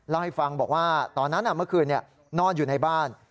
เล่าให้ฟังบอกว่าตอนนั้นเมื่อคืนนอนอยู่ในบ้าน